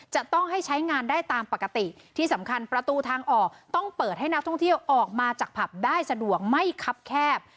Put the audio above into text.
จะต้องให้ใช้งานได้ตามปกติที่สำคัญประตูทางออกต้องเปิดให้นักท่องเที่ยวออกมาจากผับได้สะดวกไม่คับแคบ